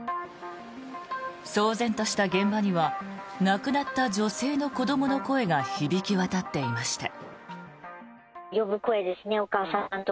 騒然とした現場には亡くなった女性の子どもの声が響き渡っていました。